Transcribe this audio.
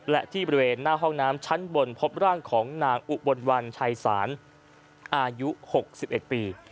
และที่บริเวณหน้าห้องน้ำชั้นบนพบร่างของนางอุบลวันชัยศาลอายุ๖๑ปี